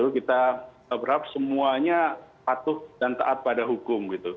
kita berharap semuanya patuh dan taat pada hukum